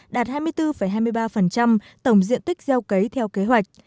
đạt hai mươi bốn hai mươi ba tổng diện tích gieo cấy theo kế hoạch